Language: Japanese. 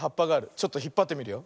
ちょっとひっぱってみるよ。